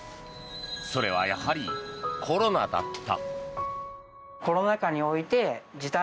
それはやはりコロナだった。